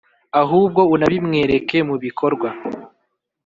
ahubwo unabimwereke mu bikorwa.